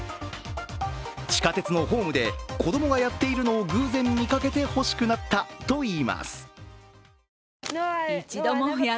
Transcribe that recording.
地下鉄のホームで子供がやっているのを偶然見かけて欲しくなったといいます。